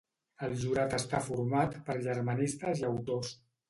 El jurat està format per germanistes i autors.